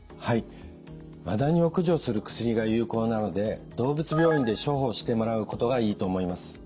マダニを駆除する薬が有効なので動物病院で処方してもらうことがいいと思います。